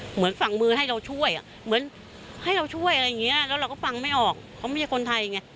เหมือนฝั่งมือให้เราช่วยอ่ะเหมือนให้เราช่วยอะไรอย่างเงี้ยแล้วเราก็ฟังไม่ออกเขาไม่ใช่คนไทยไง